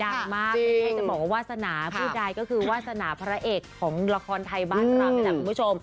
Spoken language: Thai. ดังมากวาสนะผู้ใดก็คือวาสนะพระเอกของละครไทยบ้านสำหรับคุณผู้ชม